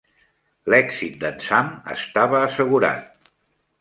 L'èxit d'en Sam estava assegurat.